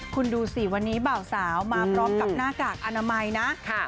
คุณดูสิวันนี้บ่าวสาวมาพร้อมกับหน้ากากอนามัยนะ